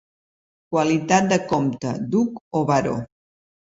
Qualitat de comte, duc o baró.